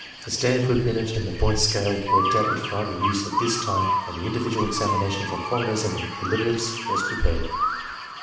The Stanford Binet and the Point Scale were adapted for army use at this time and the individual examination for foreigners and illiterates was prepared.